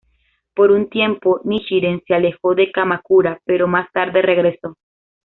Por un tiempo Nichiren se alejó de Kamakura, pero más tarde regresó.